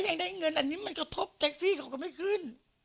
ยังได้เงินอันนี้มันกระทบแท็กซี่เขาก็ไม่ขึ้น